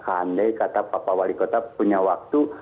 andai kata pak wali kota punya waktu